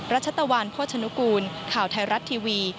รัชตวรรณโภชนกูลข่าวไทยรัตน์ทีวี